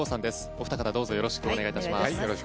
お二方どうぞよろしくお願いします。